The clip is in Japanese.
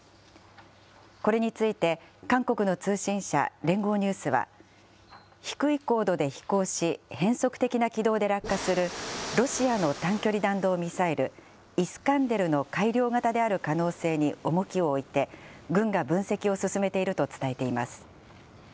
これについて、韓国の通信社、連合ニュースは、低い高度で飛行し、変則的な軌道で落下するロシアの短距離弾道ミサイル、イスカンデルの改良型である可能性に重きを置いて、軍が分析を進めていると伝えています。